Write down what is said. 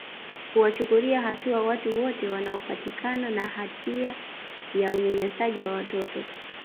kuwachukulia hatua watu wote wanaopatikana na hatia ya unyanyasaji wa watoto